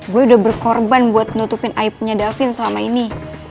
gue udah berkorban buat nutupin aibnya davin selama ini